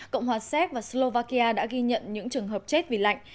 cộng hòa séc và slovakia đã ghi nhận những trường hợp chết vì lạnh